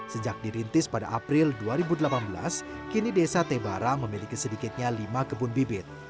sejak dirintis pada april dua ribu delapan belas kini desa tebara memiliki sedikitnya lima kebun bibit